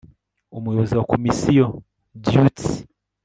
umuyobozi wa komisiyo duties